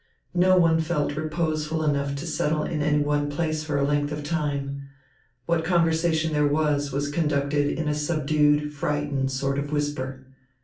No one felt reposeful enough to settle in any one place for a length of time. What conversation there was, was conducted in a subdued, frightened sort of whisper.